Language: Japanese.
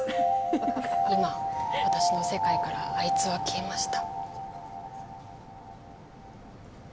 今私の世界からあいつは消えました。